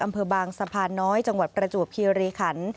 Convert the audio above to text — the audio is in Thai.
อำเภอบางสะพานน้อยจังหวัดประจวบคีรีขัน